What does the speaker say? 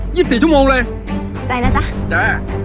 ยี่สิบสี่ชั่วโมงเลยใจนะจ๊ะ